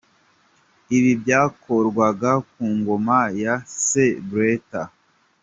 Ibi byakorwaga ku ngoma ya Sepp Blatter.